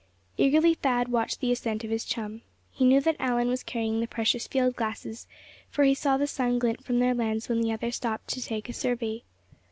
Eagerly Thad watched the ascent of his chum. He knew that Allan was carrying the precious field glasses, for he saw the sun glint from their lens when the other stopped to take a survey.